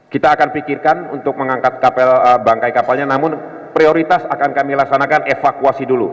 kita akan pikirkan untuk mengangkat bangkai kapalnya namun prioritas akan kami laksanakan evakuasi dulu